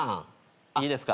いいですか？